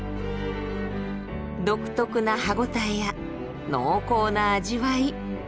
独特な歯応えや濃厚な味わい。